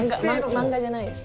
漫画じゃないです。